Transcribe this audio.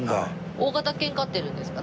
大型犬飼ってるんですか？